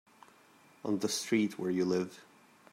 On the street where you live.